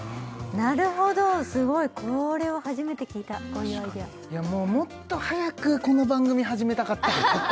なるほどすごいこれは初めて聞いたこういうアイデアいやもうもっと早くこの番組始めたかった